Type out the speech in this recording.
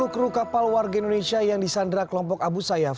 sepuluh kru kapal warga indonesia yang disandra kelompok abu sayyaf